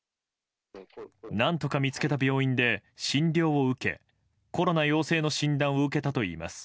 何とか見つけた病院で診療を受けコロナ陽性の診断を受けたといいます。